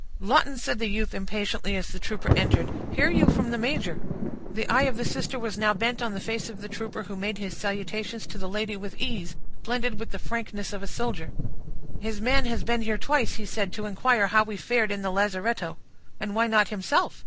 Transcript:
"Lawton," said the youth, impatiently, as the trooper entered, "hear you from the major?" The eye of the sister was now bent on the face of the trooper, who made his salutations to the lady with ease, blended with the frankness of a soldier. "His man has been here twice," he said, "to inquire how we fared in the lazaretto." "And why not himself?"